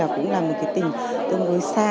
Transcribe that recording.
cũng là một tình tương đối xa